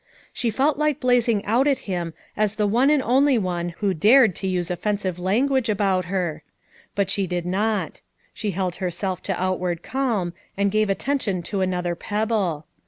She felt like blazing out at him as the one and the only one who dared to use offensive language about her; but she did not. She held herself to outward calm and gave attention to another pebble.